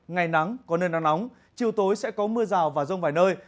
ngày nắng có nơi nắng nóng chiều tối sẽ có mưa rào và rông vài nơi